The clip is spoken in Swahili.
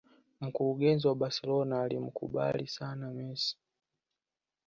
Mkurugenzi wa Barcelona alimkubali sana Messi